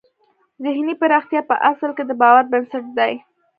ذهني پراختیا په اصل کې د باور بنسټ دی